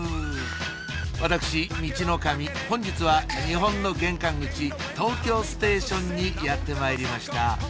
私ミチノカミ本日は日本の玄関口東京ステーションにやってまいりました